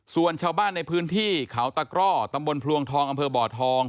ส่วนชาวบ้านในพื้นที่เขาตะกร่อตำบลพลวงทองอำเภอบ่อทอง